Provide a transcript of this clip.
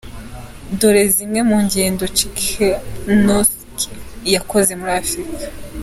Dore zimwe mu ngendo Czekanowski yakoze muri Afurika .